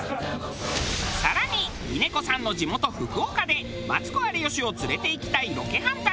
更に峰子さんの地元福岡でマツコ有吉を連れて行きたいロケハン旅。